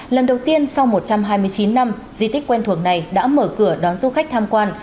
lần đầu tiên sau một trăm hai mươi chín năm di tích quen thuộc này đã mở cửa đón du khách tham quan